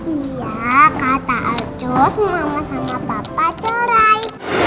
iya kata acus mama sama papa cerai